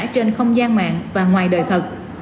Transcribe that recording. trên không gian mạng và ngoài đời thật